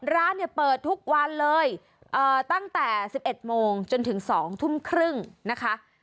ร้านเนี่ยเปิดทุกวันเลยตั้งแต่๑๑โมงจนถึง๒ทุ่มครึ่งนะคะ